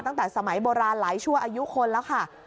ตั้งแต่สมัยโบราณหลายชั่วอายุคนแล้วค่ะ